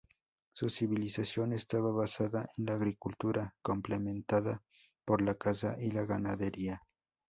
Su civilización estaba basada en la agricultura, complementada por la caza y la ganadería.